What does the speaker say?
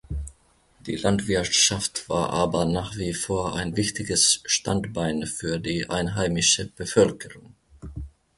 Die Landwirtschaft war aber nach wie vor ein wichtiges Standbein für die einheimische Bevölkerung.